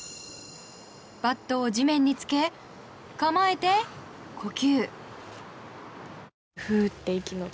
バットを地面につけ構えて、呼吸。